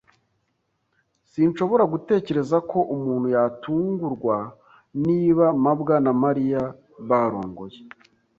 Sinshobora gutekereza ko umuntu yatungurwa niba mabwa na Mariya barongoye.